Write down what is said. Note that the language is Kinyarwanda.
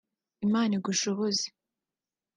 Imana igushoboze